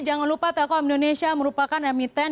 jangan lupa telkom indonesia merupakan emiten